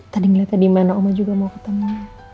tadi ngeliatnya dimana oma juga mau ketemu